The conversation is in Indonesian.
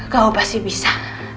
kau pasti bisa